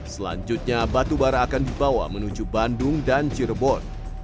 selanjutnya batu bara akan dibawa menuju bandung dan cirebon